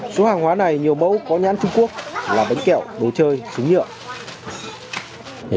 số hàng hóa này nhiều mẫu có nhãn trung quốc là bánh kẹo đồ chơi súng nhựa